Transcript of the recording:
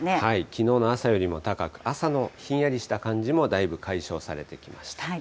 きのうの朝よりも高く、朝のひんやりした感じもだいぶ解消されてきました。